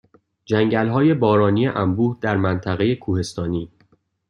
جنگلهای بارانی انبوه در منطقه کوهستانی